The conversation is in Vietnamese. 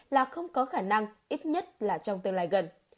là không có khả năng ít nhất là trong tương lai gần